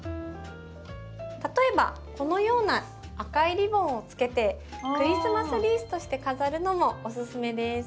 例えばこのような赤いリボンをつけてクリスマスリースとして飾るのもおすすめです。